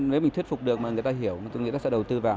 nếu mình thuyết phục được mà người ta hiểu mà tôi nghĩ là sẽ đầu tư vào